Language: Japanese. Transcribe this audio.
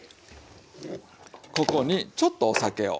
ここにちょっとお酒を。